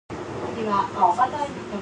虹が七色に見えるのは、光の屈折が原因らしいよ。